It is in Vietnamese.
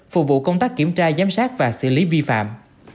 phục vụ công tác kiểm tra giám sát và xử lý vi phạm